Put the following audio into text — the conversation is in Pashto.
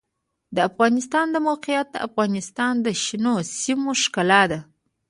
د افغانستان د موقعیت د افغانستان د شنو سیمو ښکلا ده.